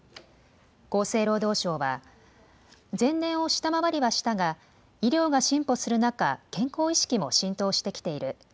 厚生労働省は、前年を下回りはしたが、医療が進歩する中、健康意識も浸透してきている。